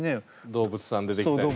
動物さん出てきたりとか。